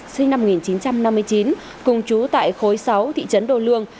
sinh năm một nghìn chín trăm năm mươi chín cùng chú tại khối sáu thị trấn đô lương